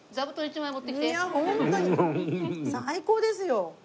いやホントに最高ですよ！